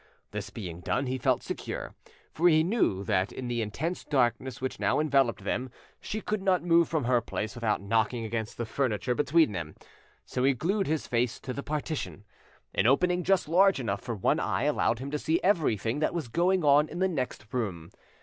This being done, he felt secure, for he knew that in the intense darkness which now enveloped them she could not move from her place without knocking against the furniture between them, so he glued his face to the partition. An opening just large enough for one eye allowed him to see everything that was going on in the next room.